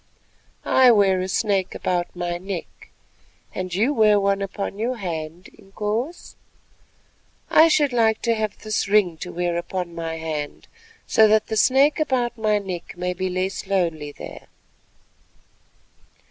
"I wear a snake about my neck, and you wear one upon your hand, Inkoos. I should like to have this ring to wear upon my hand, so that the snake about my neck may be less lonely there."